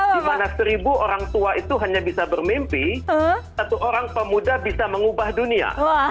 di mana seribu orang tua itu hanya bisa bermimpi satu orang pemuda bisa mengubah dunia